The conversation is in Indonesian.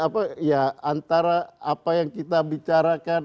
apa ya antara apa yang kita bicarakan